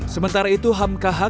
sementara itu hamkh